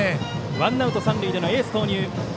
ワンアウト、三塁でのエース投入。